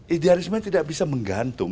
idealisme tidak bisa menggantung